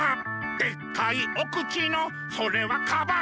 「でっかいお口のそれはカバ！」